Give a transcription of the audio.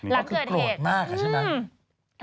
ล้างเกิดเหตุมีก็คือโกรธมากใช่ไหม